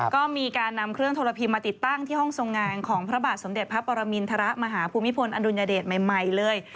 ก็มีการนำเครื่องโทรพีมาติดตั้งที่ห้องทรงงานของพระบาทสมเด็จพระปรมินทรมาหาภูมิพลอดุลยเดชใหม่เลย